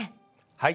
はい。